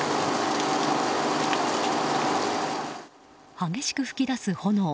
激しく噴き出す炎。